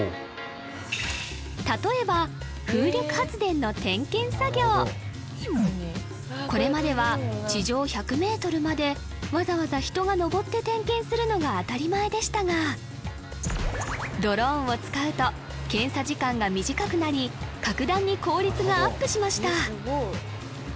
例えばこれまでは地上１００メートルまでわざわざ人が登って点検するのが当たり前でしたがドローンを使うと検査時間が短くなり格段に効率がアップしました